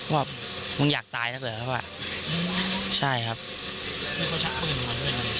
ว่ามึงอยากตายนักเหรอเขาอ่ะใช่ครับนี่เขาชักปืนออกมาด้วยนะ